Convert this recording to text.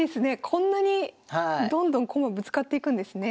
こんなにどんどん駒ぶつかっていくんですね。